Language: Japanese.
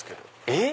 えっ？